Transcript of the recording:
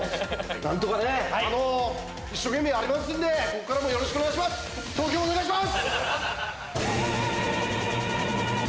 何とかね一生懸命やりますんで僕からもよろしくお願いします。